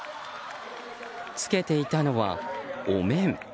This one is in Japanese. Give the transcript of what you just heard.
着けていたのは、お面。